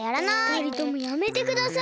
ふたりともやめてください。